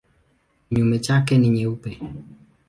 Kinyume chake ni nyeupe.